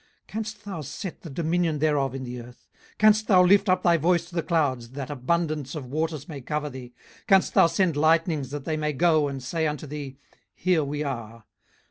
canst thou set the dominion thereof in the earth? 18:038:034 Canst thou lift up thy voice to the clouds, that abundance of waters may cover thee? 18:038:035 Canst thou send lightnings, that they may go and say unto thee, Here we are?